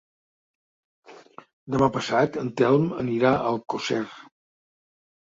Demà passat en Telm anirà a Alcosser.